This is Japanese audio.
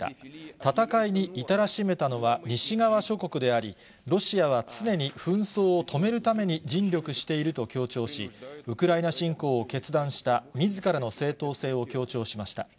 戦いに至らしめたのは西側諸国であり、ロシアは常に紛争を止めるために尽力していると強調し、ウクライナ侵攻を決断したみずからの正当性を強調しました。